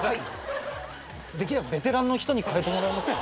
できればベテランの人にかえてもらえますか？